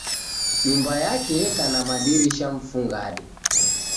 Nyumba yeka na madirisha mfungade